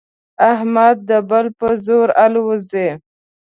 احمد د بل په زور الوزي.